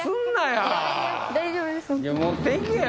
大丈夫です。